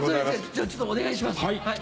じゃちょっとお願いします。